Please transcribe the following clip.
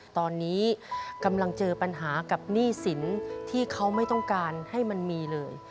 ตอนนี้กำลังเจอปัญหากับหนี้สินที่เขาไม่ต้องการให้มันมีเลย